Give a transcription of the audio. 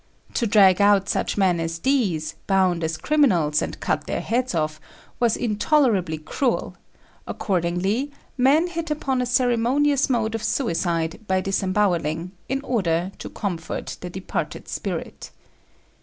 To drag out such men as these, bound as criminals, and cut their heads off, was intolerably cruel; accordingly, men hit upon a ceremonious mode of suicide by disembowelling, in order to comfort the departed spirit.